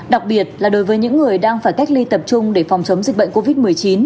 đặc biệt là đối với những người đang phải cách ly tập trung để phòng chống dịch bệnh covid một mươi chín